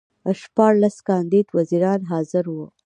شپاړس کاندید وزیران حاضر وو.